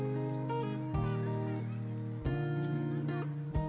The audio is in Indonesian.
pilihan menunya ada barbeque